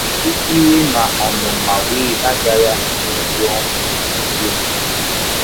onye ji iwe na ọnụma were gbanye ya n'elu ọnụ goolu